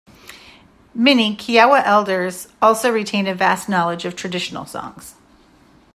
Many Kiowa elders also retain a vast knowledge of traditional songs.